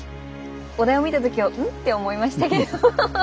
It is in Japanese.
お題を見た時は「ん？」って思いましたけど。